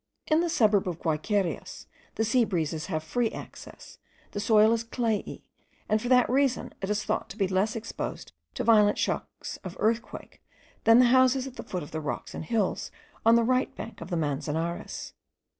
In the suburb of the Guayquerias, the sea breezes have free access; the soil is clayey, and, for that reason, it is thought to be less exposed to violent shocks of earthquake, than the houses at the foot of the rocks and hills on the right bank of the Manzanares.